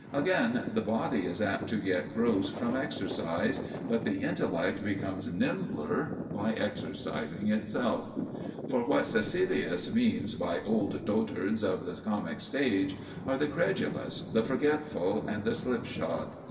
Again, the body is apt to get gross from exercise; but the intellect becomes nimbler by exercising itself. For what Caecilius means by "old dotards of the comic stage" are the credulous, the forgetful, and the slipshod.